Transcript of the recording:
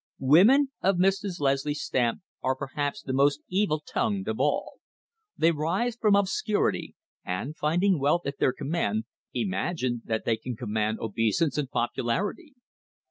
Women of Mrs. Leslie's stamp are perhaps the most evil tongued of all. They rise from obscurity, and finding wealth at their command, imagine that they can command obeisance and popularity.